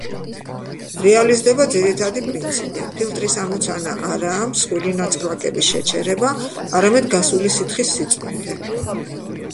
რეალიზდება ძირითადი პრინციპი: ფილტრის ამოცანა არაა მსხვილი ნაწილაკების შეჩერება, არამედ გასული სითხის სიწმინდე.